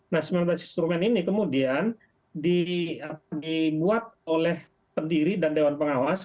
nah sembilan belas instrumen ini kemudian dibuat oleh pendiri dan dewan pengawas